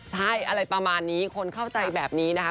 ใช่อะไรประมาณนี้คนเข้าใจแบบนี้นะคะ